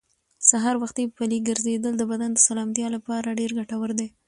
هر سهار وختي پلي ګرځېدل د بدن د سلامتیا لپاره ډېر ګټور دي.